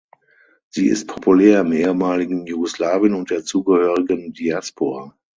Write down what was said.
Sie ist populär im ehemaligen Jugoslawien und der zugehörigen Diaspora.